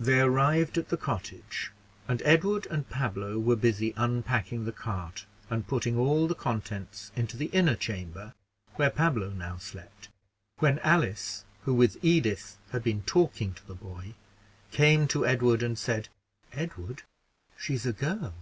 They arrived at the cottage, and Edward and Pablo were busy unpacking the cart, and putting all the contents into the inner chamber, where Pablo now slept, when Alice, who, with Edith, had been talking to the boy, came to Edward and said, "Edward, she's a girl!"